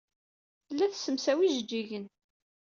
Tella tessemsaway tijejjigin.